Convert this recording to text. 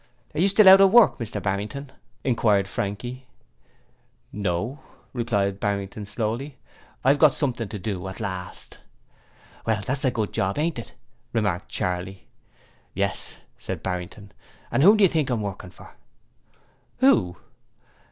'Are you still out of work, Mr Barrington?' inquired Frankie. 'No,' replied Barrington slowly. 'I've got something to do at last.' 'Well, that's a good job, ain't it?' remarked Charley. 'Yes,' said Barrington. 'And whom do you think I'm working for?' 'Who?'